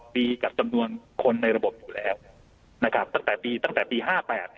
ปีกับจำนวนคนในระบบอยู่แล้วนะครับตั้งแต่ปีตั้งแต่ปีห้าแปด